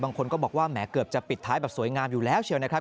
บางคนก็บอกว่าแหมเกือบจะปิดท้ายแบบสวยงามอยู่แล้วเชียวนะครับ